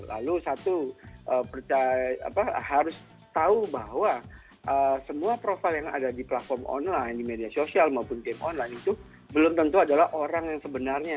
lalu satu harus tahu bahwa semua profil yang ada di platform online di media sosial maupun game online itu belum tentu adalah orang yang sebenarnya